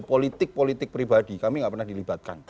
politik politik pribadi kami nggak pernah dilibatkan